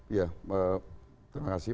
ya terima kasih